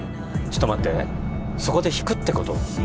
ちょっと待ってそこで弾くってこと？